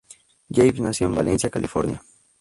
Jaffe nació en Valencia, California.